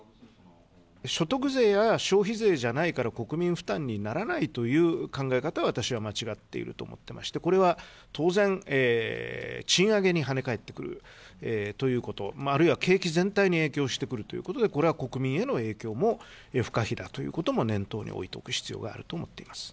所得税や消費税じゃないから国民負担にならないという考え方は、そしては間違っていると思ってまして、これは当然、賃上げにはね返ってくるということ、あるいは景気全体に影響してくるということで、これは国民への影響も不可避だということを念頭に置いておく必要